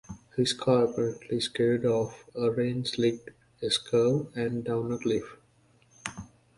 His car apparently skidded off a rain-slicked S-curve and down a cliff.